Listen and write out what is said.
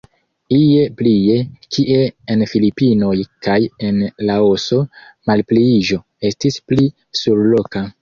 Ie plie, kie en Filipinoj kaj en Laoso, malpliiĝo estis pli surloka.